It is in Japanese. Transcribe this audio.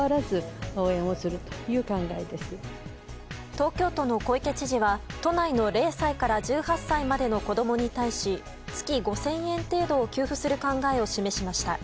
東京都の小池知事は都内の０歳から１８歳までの子供に対し月５０００円程度を給付する考えを示しました。